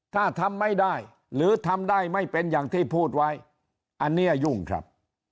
ถ้าทำไม่ได้หรือทำได้ไม่เป็นอย่างที่พูดไว้อันนี้ยุ่งครับ